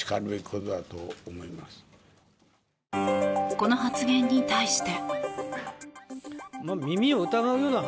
この発言に対して。